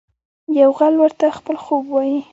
یو غل ورته خپل خوب وايي.